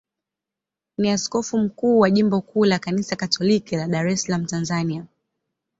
ni askofu mkuu wa jimbo kuu la Kanisa Katoliki la Dar es Salaam, Tanzania.